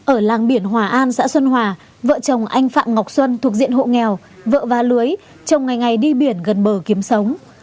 ở làng biển hòa an xã xuân hòa vợ chồng anh phạm ngọc xuân thuộc diện hộ nghèo vợ và lưới trồng ngày ngày đi biển gần bờ kiếm sống